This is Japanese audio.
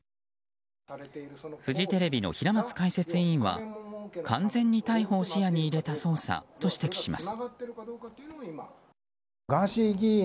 フジテレビの平松解説委員は完全に逮捕を視野に入れた捜査と指摘します。